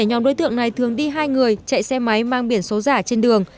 nhóm đối tượng này thường đi hai người chạy xe máy mang biển số giả trên đường